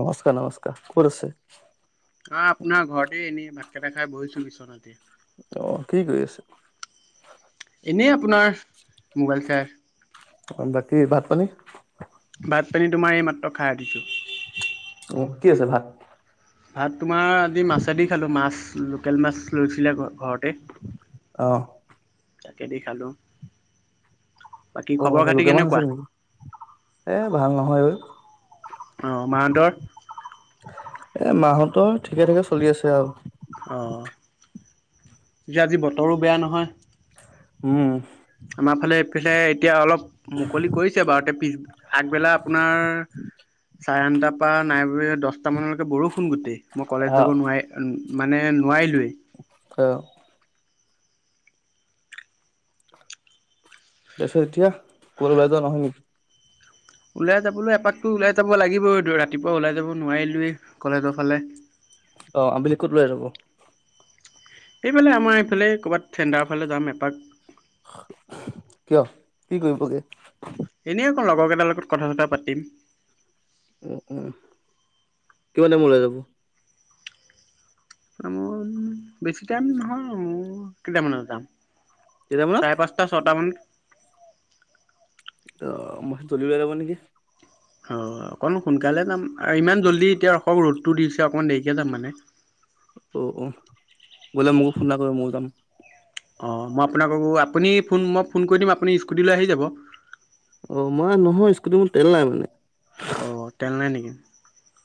নমস্কাৰ নমস্কাৰ। আছে অ', আপোনাৰ ঘৰতে এনেই ভাতকেইটা খাই বহিছো বিচনাতে অ কি কৰি আছা? এনেই আপোনাৰ মোবাইল চাই অ', বাকী ভাত পানী? ভাত পানী তোমাৰ এই মাত্ৰ খাই উঠিছো উম, কি আছে ভাত? ভাত তোমাৰ আজি মাছেদি খালোঁ মাছ লোকেল মাছ লৈছিলে ঘৰত ঘৰতে অ তাকেদি খালোঁ অ', লোকেল মান আছে নেকি এ ভাল নহয় ঐ। অ', মাহঁতৰ এ মাহঁতৰ ঠিকে- ঠিকে চলি আছে আৰু। অ', যে আজি বতৰো বেয়া নহয় উম, আমাৰ ফালে এইফালে এতিয়া অলপ মুকলি কৰিছে বাৰু এতি পিছ আগবেলা আপোনাৰ চাৰে আনটা পৰা নাই বোলি দশটা মানলৈকে বৰষুণ গোটেই মই কলেজ আহ যাব নোৱাৰি মানে নোৱাৰিলোয়ে। অ'। তাৰ পিছতছ এতিয়া কলৈ ওলাই যোৱা নহয় নেকি? ওলাই যাবলৈ এপাতকৈ ওলাই যাব লাগিবই। ৰাতিপুৱা ওলাই যাব নোৱাৰিলোৱেই কলেজৰ ফালে। অ', আবেলি ক'ত ওলায় যাব। এইফালে আমাৰ এইফালে ক'ৰবাত চেণ্টাৰ ফালে যাম এপাক। কিয় কি কৰিব গৈ? এনেই আকৌ লগৰ কেইটাৰ লগত কথা চথা পাতিম। উম, উম, কিমান টাইম ওলাই যাব? বেছি টাইম নহয় কেইটামানত যাম কেইটা মানত চাৰে পাঁচটা ছয়টা মান ত' মই জল্দি উলাই যাব নেকি? অ', অকণ সোনকালে যাম আৰু ইমান জল্দি এতিয়া ৰসক ৰ'দটো দিছে অকন দে যাম মানে অ', অ', বোলে মোকো ফোন এটা কৰিব ময়ো যাম। অ', মই আপোনাকক আপুনি ফোন মই ফোন কৰি দিম আপুনি স্কুটিলৈ আহি যাব। অ', মই নহয় স্কুটি মোৰ তেল নাই মানে। অ', তেল নাই নেকি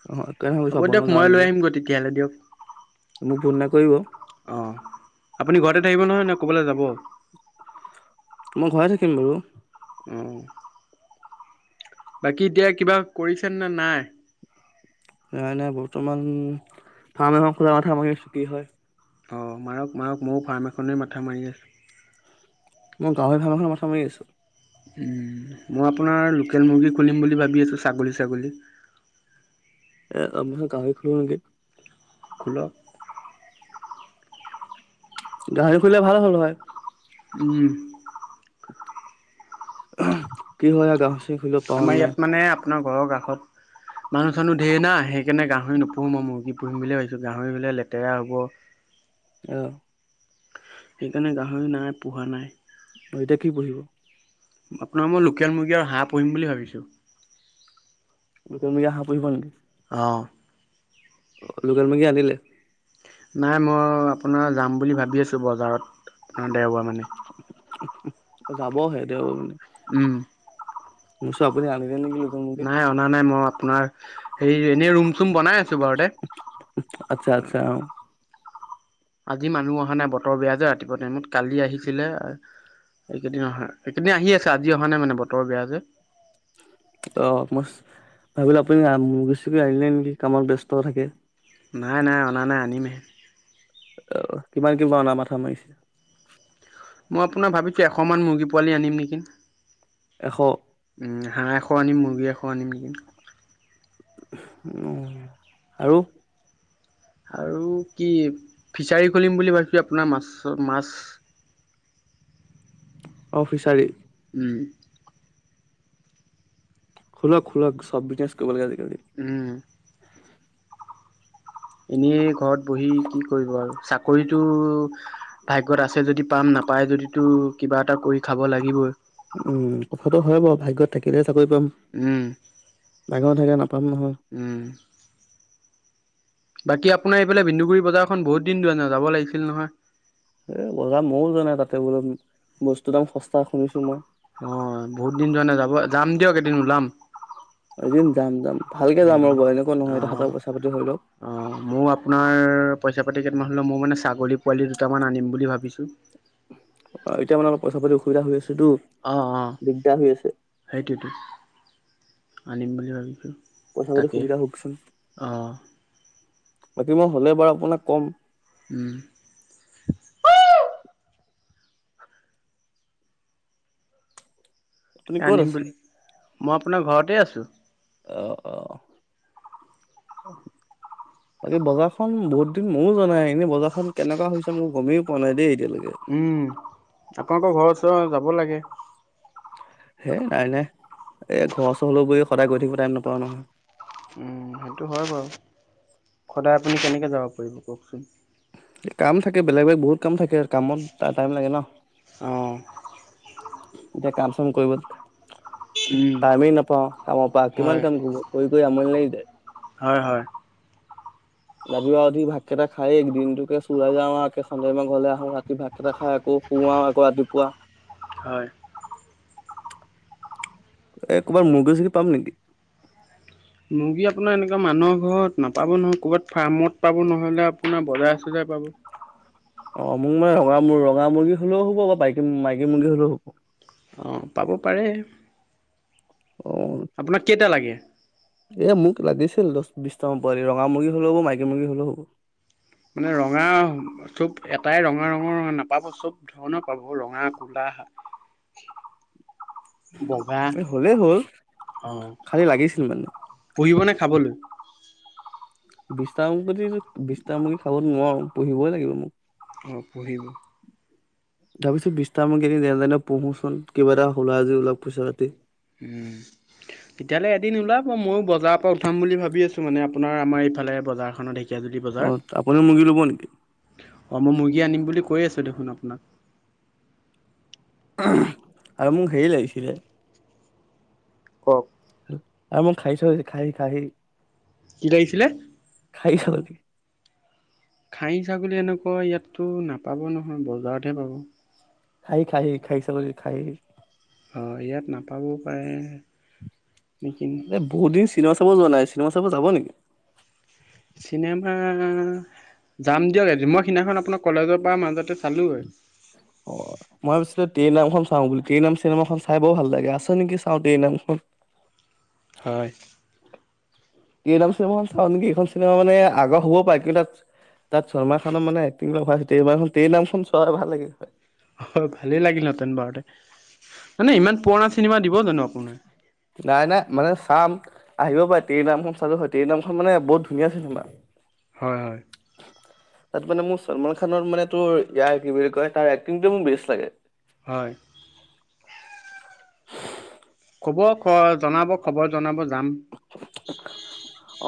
অ সেইকাৰণে ভাবিছোঁ হ'ব আপোনাৰ দিয়ক লগত যাওঁ মই লৈ নেকি আহিম গৈ তেতিয়া হ'লে দিয়ক। মোক ফোন এটা কৰিব। অ' আপুনি ঘৰতে থাকিব নহয় নে কবালে যাব? মই ঘৰতে থাকিম বাৰু। উম। বাকী এতিয়া কিবা কৰিছে নে নাই? সেইকাৰণে বৰ্তমান ফাৰ্ম খোলা মাথা মাৰি আছো কি হয়। অ', মাৰক মাৰক ময়ো ফাৰ্ম এখনেই মাথা মাৰি আছো। মই গাহৰি ৰ্ফাম এখনৰ মাথা মাৰি আছো। মই আপোনাৰ লোকেল মুৰ্গী খুলিম বুলি ভাবি আছো ছাগলি তাগলি। এ আমি গাহৰি খলো নেকি? খোলক। গাহৰি খোলিলে ভাল হ'ল হয়। উম। কি হয় আৰু গ আমাৰ ইয়াত মানে আপোনাৰ ঘৰৰ কাষত মানুহ চানুহ ধে ন আহে সেইকাৰণে গাহৰি নোহোঁ মই মুৰ্গী পুহিম বুলিয়ে ভাবছোঁ গাহৰি খোলিলে লেতেৰা হ'ব। আহ। সেইকাৰণে গাহৰি নাই পোহা নাই। ন এতিয়া কি পুহিব? আপোনাৰ মই লোকেল মুৰ্গীৰ হাঁহ পুহিম বুলি ভাবিছো। কুকুৰ মূৰীয়া হাহঁ পুহিব নেকি? অহ। অ', লোকান মূৰ্গী আনিলে? নাই মই আপোনাৰ যাম বুলি ভাবি আছোঁ বজাৰত আপোনাৰ দেওবাৰ মানে। যাব হে দেও উম। মই ভাবিছো আপুনি আপুনি নাই অনা নাই মই আপোনাৰ হে এনে ৰুম চুম বনাই আছো ঘৰতে। আচ্ছা আচ্ছা অ আজি মানুহ অহা নাই বতৰ বেয়া যে ৰাতিপুৱা টাইমত কালি আহিছিলে এইকেইদিন এইকেইদিন আহি আছে আজি অহা নাই মানে বতৰ বেয়া যে। অ মই ভাবিলো আপুনি মুৰ্গী-সুৰ্গী আহিলে নেকি। কামত ব্যস্ত থাকে। নাই নাই অনা নাই আনিমহে। আহ কিমান কি অনা মাথা মাৰিছে? মই আপোনাক ভাবিছো এশ মান মুৰ্গী পোৱালি আনিম নেকি। এশ হাঁহ এশ আনিম, মুৰ্গী এশ আনিম। উ আৰু আৰু কি ফিছাৰী খুলিম বুলি ভাবছো আপোনাৰ মাছ-মাছ অ', ফিচাৰি। উম। খোলক খোলক চব বিজনেছ কৰিব লাগে আজি কালি। উম। এনেই ঘৰত বহি কি কৰিব আৰু চাকৰিতটো ভাগ্যত আছে যদি পাম না- নাপাই যদিতো কিবা এটা কৰি খাব লাগিবই। উম, কথাটো হয় বাৰু ভাগ্যত থাকিলে চাকৰি পাম। উম, ডাঙৰ থাকে নাপাম নহয়। উম, বাকী আপোনাৰ এইফালে ভন্দুগুৰি বজাৰখন বহুত দিন যোৱা নাই যাব লাগিছিল নহয়। এ বজাৰ ময়ো জানাই তাতে বোলো বস্তু দাম সস্তা শুনিছো মই। অ' বহুত দিন যোৱা নাই, যাব যাম দিয়ক এদিন ওলাম। এদিন যাম, যাম ভালকে যাম উম। ৰব এনেকুৱা নহয় এ অ'। হাতত পইচা পাতি হৈ লওক। অ মোৰ আপোনাৰ পইচা আগতে কেইটামান হ'লেও মই মানে ছাগলী পোৱালি দুটামান আনিম বুলি ভাবিছো। অ' এতিয়া মানে অলপ পইচা পাতি অসুবিধা হৈ আছে টো। অ', অ', দিগদাৰ হৈ আছে। সেইটোৱেতো আনিম বুলি ভাবিছো। কথা পাতি সুবিধা হওকচোন। বাকী মই হলে বাৰু আপোনাক কম উম। [unintelligible] আপুনি ক'ত আনিম আছে? বুলি মই আপোনাৰ ঘৰতেই আছোঁ। অ', অ '। বাকী বজাৰখন বহুত দিন ময়ো জনাই। এনেই বজাৰখন কেনেকুৱা হৈছে মই গোমেই পোৱা নাই দেই। এতিয়ালৈকে উম আপোনালোকৰ ঘৰৰ ওচৰত যাব লাগে। সেই নাই, নাই এই ঘৰ চহল বুলি সদায় গৈ থাকিব টাইম নাপাও নহয়। উম, সেইটো হয় বাৰু। সদায় আপুনি কেনেকৈ যাব পাৰিব কওকচোন? কাম থাকে বেলেগ বেলেগ বহুত কাম থাকে, কামত টা-টাইম লাগে ন। অ'। এতিয়া কাম-চাম কৰিব উম, টাইমেই নাপাওঁ কামপৰা, কিমান হয়। কাম কৰিব কৰি কৰি আমনি লাগি যায়। হয় হয়। ৰাতিপোৱা উঠি ভাতকেইটা খাই দিনটোকে চোৰাই যাওঁ আৰু [unintelligible] ঘৰলে আহো ৰাতি ভাত কেইটা খাই আকৌ সু আৰু, আকৌ ৰাতিপুৱা হয়। এ কৰবাত মুৰ্গী-চুৰৰ্গী পাম নেকি? মুৰ্গী আপোনাৰ এনেকুৱা মানুহৰ ঘৰত নাপাব নহয়। ক'ৰবাত ফাৰ্মত পাব নহ'লে আপোনাৰ বজাৰ-চজাৰ পাব। [inaudible] অ মোক মানে ৰঙা-ৰঙা ম-মুৰ্গী হলেও হ'ব বা বাইকী-মাইকী মুৰ্গী হ'লেও হব। অ পাব পাৰে অ' আপোনাক কেইটা লাগে? এ মোক লাগিছিল দহ বিশটামান পোৱালি, ৰঙা মুৰ্গী হ'লেও হব মাইকী মুৰ্গী হ'লেও হ'ব। মানে ৰঙা চব এটাই ৰঙা ৰঙৰ নাপাব চব ধৰণৰ পাব ৰঙা, কুলা হা বগা। এ হ'লেই হ'ল অ'। খালি লাগিছিল মানে। পুহিব নে খাবলৈ। বিছতা বুলি বিষ্টা মুৰ্গী খাবতো নোৱাৰো পুহিবই লাগিব মোক। অ পুহিব। ভাবিছো বিছটাম কিন যেতেনে পুঢ়োচোন কিবা এটা ওলাই যদি পইচা পাতি। হম। তেতিয়াহ'লে এদিন ওলাব ময়ো বজাৰৰ পৰা উঠাম বুলি ভাবি আছো। মানে আপোনাৰ আমাৰ ইফালে বজাৰখনত। অ' আপুনি মূৰ্গী ল'ব নেকি? অ' মই মুৰ্গী আনিম বুলি কৈ আছো দেখোন আপোনাক। আৰু মোক হেৰি লাগিছিলে কওক। আ মই খাই চ খাই-খাই কি লাগিছিলে? [unintelligible] খাহী ছাগলী এনেকুৱা ইয়াততো নাপাব নহয় বজাৰতহে পাব। খাহি খাহি খাহি ছাগলী খাহি। অ' ইয়াত নাপাবও পাৰে। নেকি এ বহুত দিন চিনেমা চাব যোৱা নাই। চিনেমা চাব যাব নেকি? চিনেমা যাম দিয়ক মই সিদিনাখন আপোনাৰ কলেজৰ পৰা মাজতে চালোঁগৈ। অ' মই ভাবিছিলো তেৰি নামখন চাওঁ টেৰেনাম এই নাম চিনেমাখন চাই ব ভাল লাগে আছে নেকি চাওঁ টেৰ নামখন হয়। টেই নাম চিনেমাখন চাওঁ নেকি। এইখন চিনেমা মানে আগৰ হ'বও পাৰে, কিন্তু তাত তাত চলমান খানৰ মানে এক্টিং ভাল ৰ নামখন চোৱাই ভাল লাগিল হয়। হয়, ভালে লাগিল হেতেন বাৰতে, মানে ইমান পুৰণা চিনেমা দিব জানো আপোনাৰ। নাই নাই মানে চাম আহিব পাৰে টেৰ নামখন চালো হয় টেৰ নামখন মানে বহুত ধুনীয়া চেনেমা। হয়, হয়। তাত মানে মোৰ চলমান খানৰ মানে তোৰ ইয়াৰ কি বুলি কয় তাৰ এক্টিং মোৰ বেছ লাগে। হয়। ক'বৰ খ জনাব খবৰ জনাব যাম।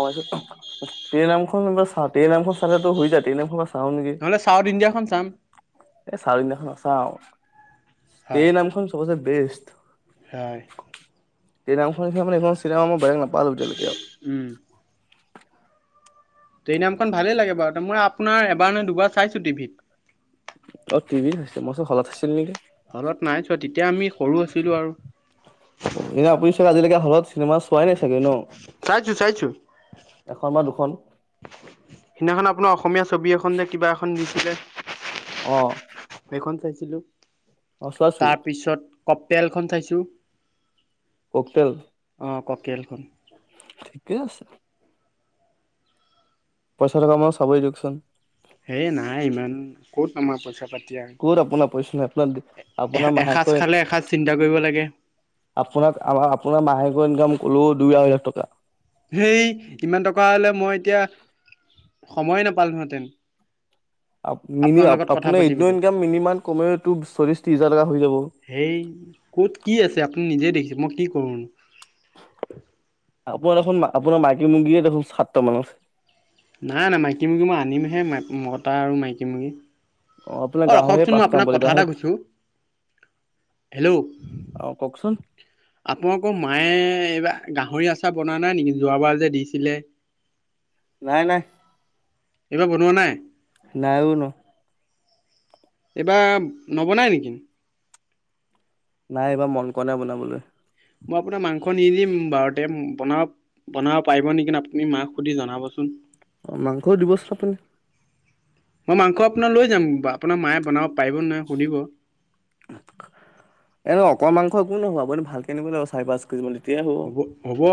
অবৈছে। টেৰ নামখন বা চা ৰ নামখন চালোটো হৈ যায় ৰ নামখন। চাওঁ নেকি। নহ'লে চাউথ ইণ্ডিয়াখন চাম। চাওঁ হয় টেৰে নামখন চবচে বেষ্ট। হয়। টেৰ নামখন নিচিনা মানে এইখনো চিনেমা মই বেলেগ নাপালো এতিয়ালৈকে। ট্ৰেইনামখন ভালেই লাগে বাৰু। মই আপোনাৰ এবাৰ নে দুবাৰ চাইছো টিভিত। অ' টিভিত চাইছিল মই বোলো হলত চাইছিল নেকি। হলত নাই চোৱা, তেতিয়া আমি সৰু আছিলো আৰু। তই আজিলৈকে হলত চিনেমা চোৱাই নাই চাগৈ ন চাইছোঁ চাইছোঁ। এখন বা দুখন। সিদিনাখন আপোনাৰ অসমীয়া ছবি এখন যে কিবা এখন দিছিলে। আহ সেই খন চাইছিলো তাৰপিছত কপেলখন চাইছো। কোকটেল টেলখন। ঠিকে আছে। পইচা থকা মানুহ চাবই দিয়কচোন। হে নাই ইমান ক'ত আমাৰ পইচা পাতিয়া। ক'ত আপোনাৰ পইচা নাই আপোনাৰ আপোনাৰ এসাঁজ মাহেকৈ খালে এসাঁজ চিন্তা কৰিব লাগে। আপোনাক আমাৰ আপোনাৰ মাহেকৰ ইনকাম কলো দুই আঢ়ৈ লাখ টকা। হেই ইমান টকা হ'লে মই এতিয়া সময়ে নাপালোহেঁতেন। [inaudible] আপ মিনি লগত কথা আপোনাৰ এইটো পাতিবলৈ। ইনকাম মিনিমাম কমেওটো চল্লিশ ত্ৰিছ হাজাৰ টকা হৈ যাব। সেই ক'ত কি আছে আপুনি নিজেই দেখিছে মই কি কৰোঁনো? আপোনাৰ দেখোন আপোনাৰ মাইকী মুৰ্গীয়ে দেখোন সাতটা মান আছে। নাই - নাই, মাইকী মুৰ্গী মই আনিমহে মতা আৰু মাইকী মুৰ্গী আপোনাৰ অ', গাহৰিয়ে ৰখকচোন মই পাঁচটামান আপোনাক পোৱালি কথা গাহৰি এটা কৈছোঁ হেল্ল' অ', কওকচোন আপোনালোকৰ মায়ে এইবাৰ গাহৰি আচাৰ বনোৱা নাই নেকি যোৱাবাৰ যে দিছিলে। [inaudible] নাই নাই এইবাৰ বনোৱা নাই নাই বনোৱা। এইবাৰ নবনাই নেকি? নাই এইবাৰ মন কৰা নাই বনাবলৈ। মই আপোনাক মাংস নিদিম বাৰতে বন বনাব পাৰিব নেকি আপুনি মাক সুধি জনাবচোন। অ' মাংসও দিবস্থপনি মই মাংস আপোনাৰ লৈ যাম বা আপোনাৰ মায়ে বনাও পাৰিব নে নাই সুধিব। এ অকল মাংস একো নহয় আপুনিলে নিবা চাৰি পাঁচ কেজি মেলি। হ'ব - হ'ব,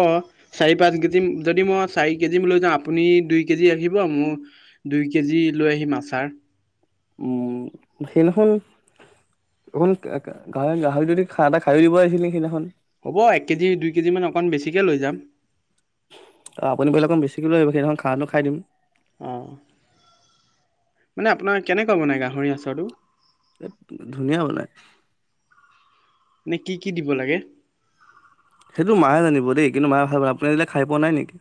চাৰি পাঁচ কেজি, যদি মই চাৰি কেজি লৈ আপুনি দুই কেজি আহিব মোৰ দুই কেজি লৈ আহিম আচাৰ উম, সেইদিনাখন অখন গাহ - গাহৰি, যদি খাই এটা, খাই দিব আহিছিল নি সেইদিনাখন হ'ব এক কেজি, দুই কেজি মান অকণমান বেছিকে লৈ যাম। আপুনি বোলে অকণ বেছিকৈ লৈ আহিব সেইদিনাখন খানাটো খাই দিম। অ', মানে আপোনাৰ কেনেকুৱা বনায় গাহৰি আচাৰটো? এ ধুনীয়া বনাই। এনে কি, কি দিব লাগে? সেইটো মায়ে জানিব দেই, কিন্তু মায়ে ভাল পায়, আপুনি নলে [unintelligible] খাই পোৱা নাই নেকি?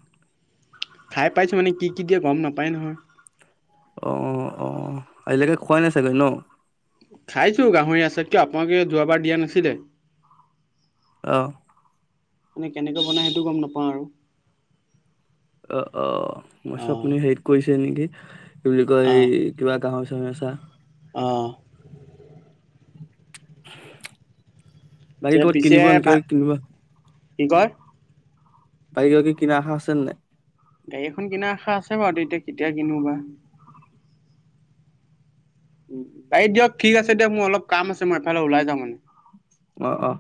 খাই পাইছোঁ, মানে কি, কি দিয়ে গম নাপায় নহয়। অ, অ, আজিলৈকে খোৱাই নাই চাগৈ ন'? খাইছোঁ গাহৰি আছে, কিয় আপোনালোকে যোৱাবাৰ দিয়া নাছিলে। আহ। মানে কেনেকে বনাই সেইটো গম নাপাওঁ আৰু। অ', অ', অঁ আপুনি হেৰিত কৰিছে নেকি? এই কি বুলি কয়, এই অঁ কিবা কাহৰি চামি [unintelligible] আছা অঁ। বাকী তে ক'ৰবাত [unintelligible] পিছে কিনিব ভা এনেকে কিনিবা কি কয়? বাৰী কক কিনে আখা আছে নাই [unintelligible] গাড়ী এখন কিনাৰ আশা আছে বাৰু, এতিয়া কেতিয়া কিনো বা। বাৰু দিয়ক, ঠিক আছে দিয়ক, মোৰ অলপ কাম আছে মই এফালে ওলাই যাওঁ মানে। অ', অ'।